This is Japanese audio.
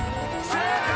正解！